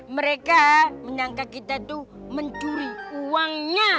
mereka menangkap kita tuh mencuri uangnya